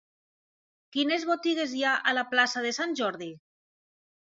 Quines botigues hi ha a la plaça de Sant Jordi?